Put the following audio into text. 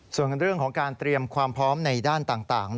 ส่วนเรื่องของการเตรียมความพร้อมในด้านต่าง